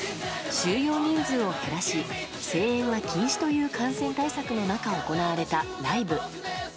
収容人数を減らし声援は禁止という感染対策の中、行われたライブ。